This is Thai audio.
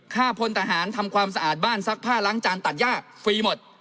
พลทหารทำความสะอาดบ้านซักผ้าล้างจานตัดย่าฟรีหมด